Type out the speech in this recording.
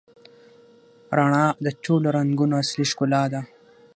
رڼا د ټولو رنګونو اصلي ښکلا ده.